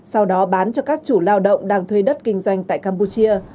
sau đó bán cho các chủ lao động đang thuê đất kinh doanh tại campuchia